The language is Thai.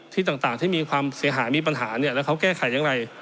ที่ต่างที่มีความเสียหายมีปัญหาเนี่ยแล้วเขาแก้ไขอย่างไร